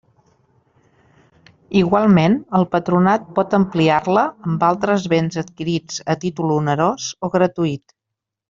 Igualment el Patronat pot ampliar-la amb altres béns adquirits a títol onerós o gratuït.